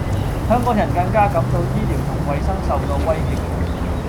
香港人更加感到醫療同衛生受到威脅